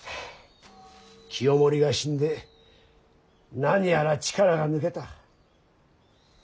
清盛が死んで何やら力が抜けた。